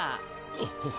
あっ。